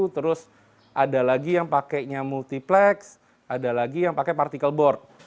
terus ada lagi yang pakainya multiplex ada lagi yang pakai partikel board